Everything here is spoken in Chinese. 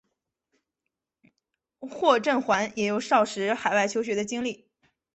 霍震寰也有少时海外求学的经历。